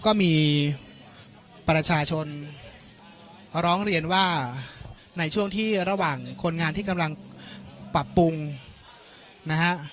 ก็มีประชาชนร้องเรียนว่าในช่วงที่ระหว่างคนงานที่กำลังปรับปรุงนะฮะ